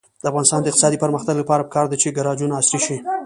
د افغانستان د اقتصادي پرمختګ لپاره پکار ده چې ګراجونه عصري شي.